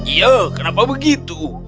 iya kenapa begitu